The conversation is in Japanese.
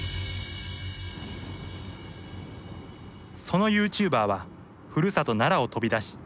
そのユーチューバーはふるさと奈良を飛び出し